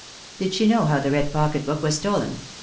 "Did she know how the red pocket book was stolen?"